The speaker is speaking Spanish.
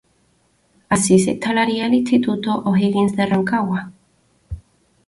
Ahí se instalaría el Instituto O'Higgins de Rancagua.